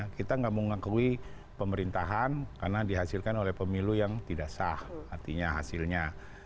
kita nggak mengakui pemerintahan karena dihasilkan oleh pemilu yang tidak sah artinya hasilnya